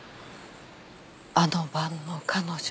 あの晩の彼女。